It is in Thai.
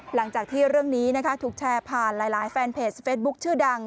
หลังจากที่เรื่องนี้นะคะถูกแชร์ผ่านหลายแฟนเพจสเฟสบุ๊คชื่อดัง